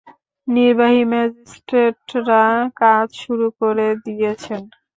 নির্বাহী ম্যাজিস্ট্রেটরা কাজ শুরু করে দিয়েছেন।